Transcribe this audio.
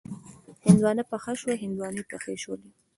هندواڼه پخه شوه، هندواڼې پخې شولې